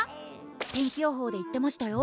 天気予報で言ってましたよ